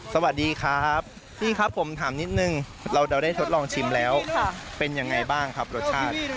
สวัสดีครับพี่ครับผมถามนิดนึงเราได้ทดลองชิมแล้วเป็นยังไงบ้างครับรสชาติ